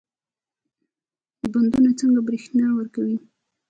بندونه څنګه برښنا ورکوي؟